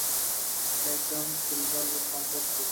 সে একজন Silver Lake বামপন্থী।